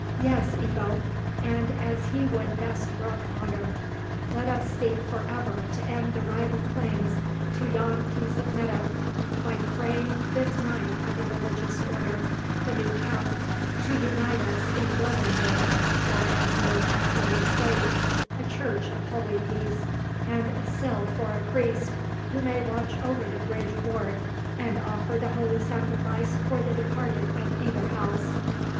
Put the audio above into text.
"Yes, Ebbo, and as he would best brook honour. Let us seek for ever to end the rival claims to yon piece of meadow by praying this knight of a religious order, the new count, to unite with us in building there—or as near as may be safe—a church of holy peace, and a cell for a priest, who may watch over the bridge ward, and offer the holy sacrifice for the departed of either house.